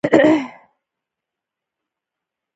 نسخ خط؛ د خط یو ډول دﺉ.